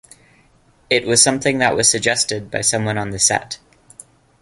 It was something that was suggested by someone on the set.